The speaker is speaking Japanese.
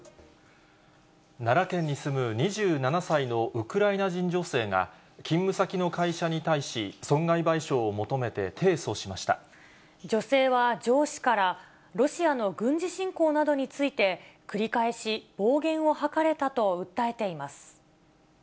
奈良県に住む２７歳のウクライナ人女性が、勤務先の会社に対し、女性は上司から、ロシアの軍事侵攻などについて、繰り返し暴言を吐かれたと訴えています。